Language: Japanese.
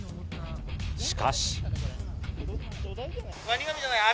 しかし。